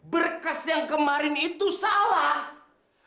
berkas yang kemarin itu salah